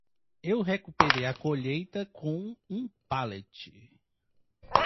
Eu recuperei a colheita com um palete.